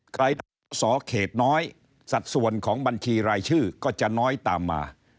สอสอเขตน้อยสัดส่วนของบัญชีรายชื่อก็จะน้อยตามมา